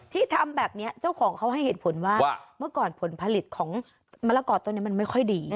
ที่ทำแบบนี้เจ้าของเขาให้เหตุผลว่าเมื่อก่อนผลผลิตของมะละกอตัวนี้มันไม่ค่อยดี